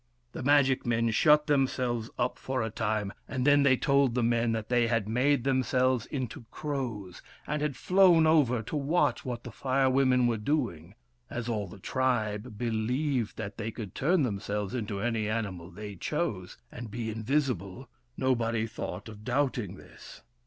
The magic men shut WURIP, THE FIRE BRINGER 237 themselves up for a time ; and then they told the men that they had made themselves into crows, and had flown over to watch what the Fire Women were doing. As all the tribe believed that they could turn themselves into any animal they chose, and be invisible, nobody thought of doubting this.